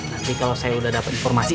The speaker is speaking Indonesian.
nanti kalau saya udah dapet informasi